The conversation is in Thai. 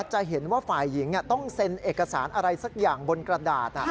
จะเห็นว่าฝ่ายหญิงต้องเซ็นเอกสารอะไรสักอย่างบนกระดาษ